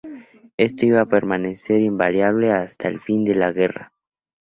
Esto iba a permanecer invariable hasta el fin de la guerra.